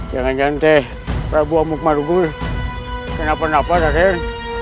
jangan jangan prabu amuk madugul kenapa kenapa raden